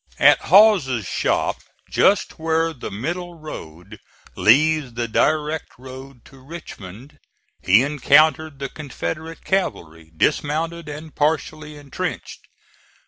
At Hawes' Shop, just where the middle road leaves the direct road to Richmond, he encountered the Confederate cavalry dismounted and partially intrenched.